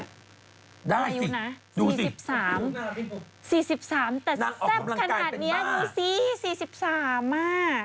ได้สิดูสิอายุ๔๓แต่แซ่บขนาดนี้ดูสิ๔๓มาก